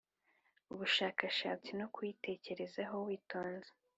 ubushakashatsi no kuyitekerezaho witonze.